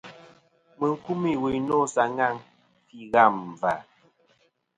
Mɨ n-kumî wuyn nô sa ŋaŋ fî ghâm và..